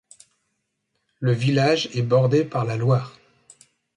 Le village est bordé par la Loire.